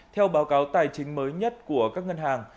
theo báo cáo tài chính mới nhất của các ngân hàng